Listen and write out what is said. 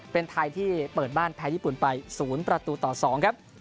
เป็นไทยที่เปิดบ้านแพ้ญี่ปุ่นไป๐ประตูต่อ๒ครับ